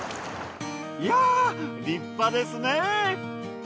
いや立派ですね！